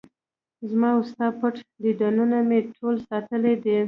زما وستا پټ دیدنونه مې ټول ساتلي دي